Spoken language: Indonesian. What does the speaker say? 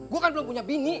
gue kan belum punya bini